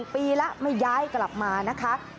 ปีแล้วไม่ย้ายกลับมานะคะ